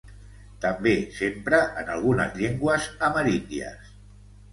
També s'empra en algunes llengües ameríndies.